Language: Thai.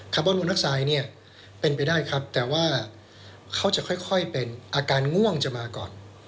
ว่าโรนัสไซด์เนี่ยเป็นไปได้ครับแต่ว่าเขาจะค่อยเป็นอาการง่วงจะมาก่อน